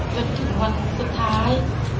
จนถึงวันสุดท้าย